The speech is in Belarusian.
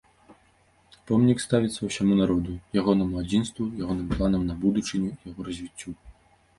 Помнік ставіцца ўсяму народу, ягонаму адзінству, ягоным планам на будучыню і яго развіццю.